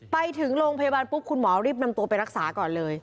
ไปถึงโรงพยาบาลปุ๊บคุณหมอรีบนำตัวไปรักษาก่อนเลย